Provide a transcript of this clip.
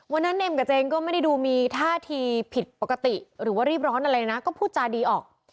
เนมกับเจนก็ไม่ได้ดูมีท่าทีผิดปกติหรือว่ารีบร้อนอะไรนะก็พูดจาดีออก